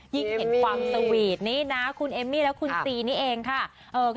ยิ่งเห็นความสวีทนี่นะคุณเอมมี่และคุณซีนี่เองค่ะ